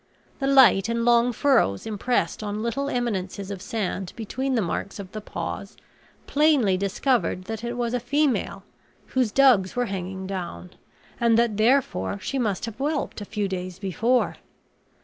The light and long furrows impressed on little eminences of sand between the marks of the paws plainly discovered that it was a female, whose dugs were hanging down, and that therefore she must have whelped a few days before.